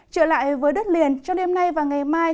trở lại với đất liền trong đêm nay và ngày mai